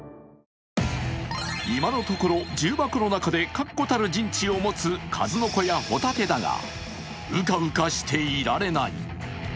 今のところ、重箱の中で確固たる陣地を持つ数の子やホタテだがうかうかしていられない。